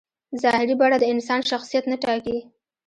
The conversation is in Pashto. ظاهري بڼه د انسان شخصیت نه ټاکي.